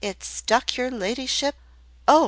It stuck, your ladyship " "Oh!"